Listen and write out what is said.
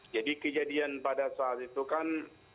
jadi kejadian pada saat itu kan